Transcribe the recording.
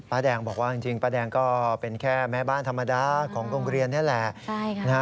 แดงบอกว่าจริงป้าแดงก็เป็นแค่แม่บ้านธรรมดาของโรงเรียนนี่แหละ